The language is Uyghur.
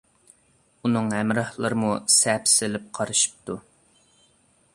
ئۇنىڭ ھەمراھلىرىمۇ سەپسېلىپ قارىشىپتۇ.